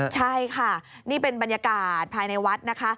ใช่ค่ะนี่เป็นบรรยากาศภายในวัดนะคะ